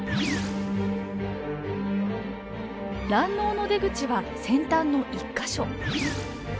卵のうの出口は先端の１か所。